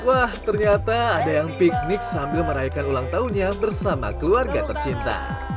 wah ternyata ada yang piknik sambil merayakan ulang tahunnya bersama keluarga tercinta